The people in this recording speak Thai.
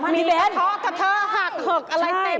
มีแบบเพราะเธอหักอะไรเต็ม